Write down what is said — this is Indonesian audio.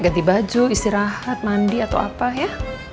ganti baju istirahat mandi atau apa ya